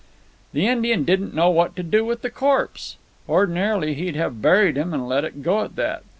"The Indian didn't know what to do with the corpse. Ordinarily he'd have buried him and let it go at that.